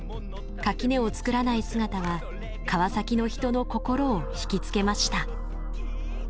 垣根を作らない姿は川崎の人の心を引き付けました。